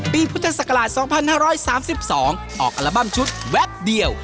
พุทธศักราช๒๕๓๒ออกอัลบั้มชุดแวบเดียว